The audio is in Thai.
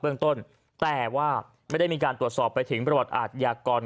เรื่องต้นแต่ว่าไม่ได้มีการตรวจสอบไปถึงประวัติอาทยากร